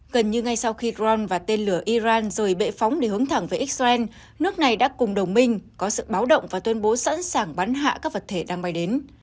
gần như ngay sau khi dron và tên lửa iran rời bệ phóng để hướng thẳng về israel nước này đã cùng đồng minh có sự báo động và tuyên bố sẵn sàng bắn hạ các vật thể đang bay đến